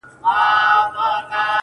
خپه وې چي وړې ! وړې !وړې د فريادي وې!